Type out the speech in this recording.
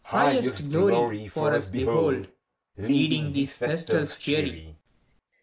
Highest glory for us behold. Leading these festals cheery! ACT II.